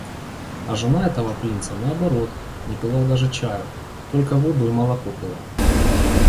А жена этого принца, наоборот, не пила даже чаю, только воду и молоко пила.